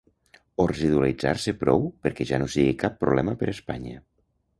O residualitzar-se prou perquè ja no sigui cap problema per Espanya.